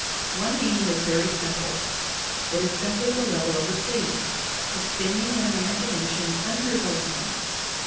One meaning is very simple; ft is simply the level of the sea, extending in imagination under the lands.